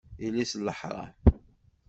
Yelli-s n leḥṛam!